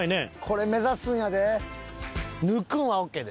これ目指すんやで。